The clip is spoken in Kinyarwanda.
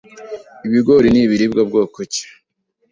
Ibigori nibiribwa bwoko ki